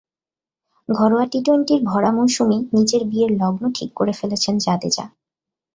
ঘরোয়া টি-টোয়েন্টির ভরা মৌসুমেই নিজের বিয়ের লগ্ন ঠিক করে ফেলেছেন জাদেজা।